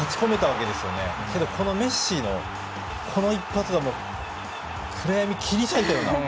けどメッシのこの一発が暗闇を切り裂いたような。